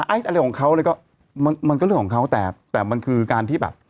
อะไรของเขาเลยก็มันมันก็เรื่องของเขาแต่แต่มันคือการที่แบบ